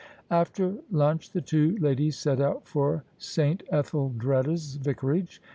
After lunch the two ladies set out for S. Etheldreda's Vicarage.